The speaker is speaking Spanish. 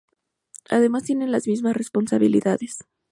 Además tienen las mismas responsabilidades.